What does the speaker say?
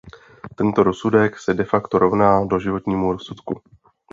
Tento rozsudek se de facto rovná doživotnímu rozsudku.